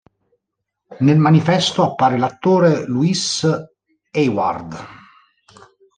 Nel manifesto appare l'attore Louis Hayward.